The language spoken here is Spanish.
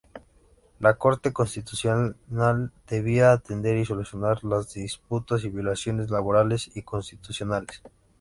La Corte Constitucional debía atender y solucionar las disputas y violaciones laborales y constitucionales.